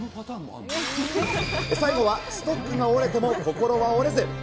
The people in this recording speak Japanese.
最後はストックが折れても心は折れず。